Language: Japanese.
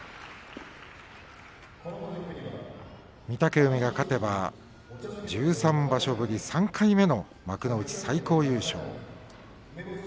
御嶽海が勝てば１３場所ぶり３回目の幕内最高優勝。